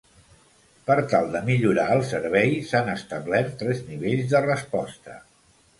Per tal de millorar el servei, s’han establert tres nivells de resposta.